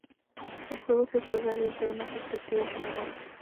El juego se juega desde una perspectiva general.